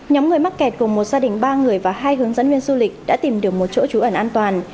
nhóm người mắc kẹt cùng một gia đình ba người và hai hướng dẫn viên du lịch đã tìm được một chỗ trú ẩn an toàn